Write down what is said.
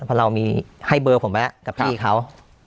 เพราะเรามีให้เบอร์ผมไว้กับพี่เขา